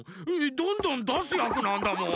どんどんだすやくなんだもん。